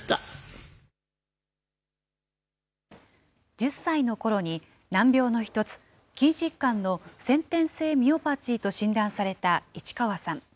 １０歳のころに難病の一つ、筋疾患の先天性ミオパチーと診断された市川さん。